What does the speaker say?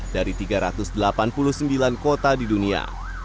dari tiga ratus delapan puluh sembilan kota di dunia